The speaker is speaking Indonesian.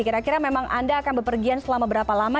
kira kira memang anda akan berpergian selama berapa lama